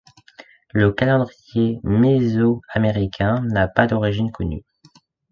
Le calendrier mésoaméricain n'a pas d'origine connue.